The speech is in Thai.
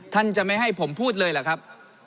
ท่านจะไม่ให้ผมพูดเลยเหรอครับ